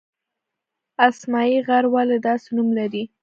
اسمايي غر ولې داسې نوم لري؟